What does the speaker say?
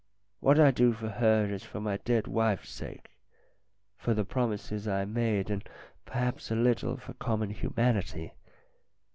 What I do for her is for my dead wife's sake, for the promises I made, and, perhaps, a little for common humanity.